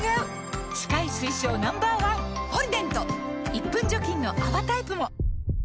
１分除菌の泡タイプも！